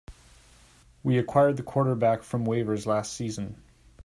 We acquired the quarterback from waivers last season.